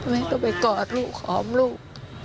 แม่ก็ไปกอดลูกหอมลูก